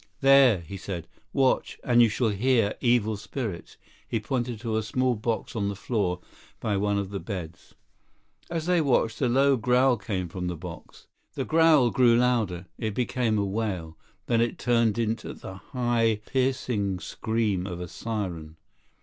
51 "There!" he said. "Watch, and you shall hear evil spirits." He pointed to a small box on the floor by one of the beds. As they watched, a low growl came from the box. The growl grew louder. It became a wail. Then it turned into the high, piercing scream of a siren.